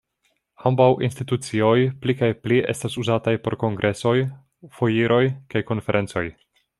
Ambaŭ institucioj pli kaj pli estas uzataj por kongresoj, foiroj kaj konferencoj.